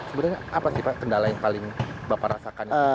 sebenarnya apa sih pak kendala yang paling bapak rasakan